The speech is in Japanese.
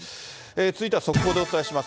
続いては速報でお伝えします。